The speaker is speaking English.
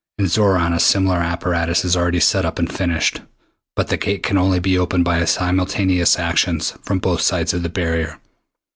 In Xoran a similar apparatus is already set up and finished, but the Gate can only be opened by simultaneous actions from both sides of the barrier.